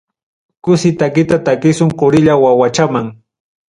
Kusi takita takisun qurilla wawachaman.